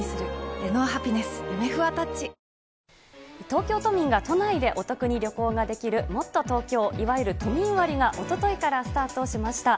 東京都民が都内でお得に旅行ができる、もっとＴｏｋｙｏ、いわゆる都民割がおとといからスタートしました。